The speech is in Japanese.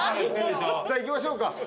さあ行きましょうか。